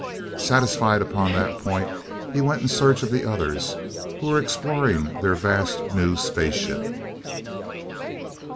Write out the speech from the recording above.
Satisfied upon that point, he went in search of the others, who were exploring their vast new space ship.